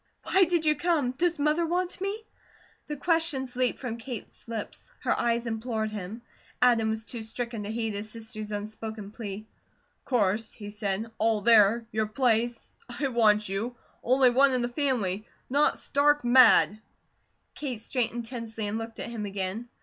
"Why did you come? Does Mother want me?" the questions leaped from Kate's lips; her eyes implored him. Adam was too stricken to heed his sister's unspoken plea. "Course," he said. "All there your place I want you. Only one in the family not stark mad!" Kate straightened tensely and looked at him again.